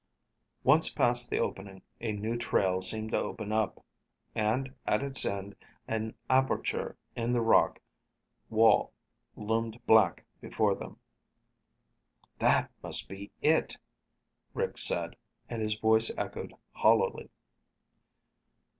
Once past the opening, a new trail seemed to open up. And at its end an aperture in the rock wall loomed black before them. "That must be it," Rick said, and his voice echoed hollowly.